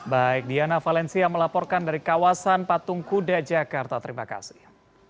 baik diana valencia melaporkan dari kawasan patung kuda jakarta terima kasih